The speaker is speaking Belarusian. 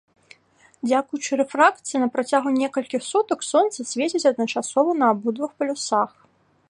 Дзякуючы рэфракцыі, на працягу некалькіх сутак сонца свеціць адначасова на абодвух полюсах.